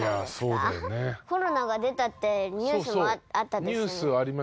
コロナが出たってニュースもあったですよね？